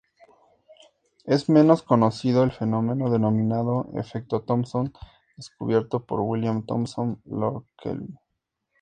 Es menos conocido el fenómeno denominado efecto Thomson, descubierto por William Thomson, lord Kelvin.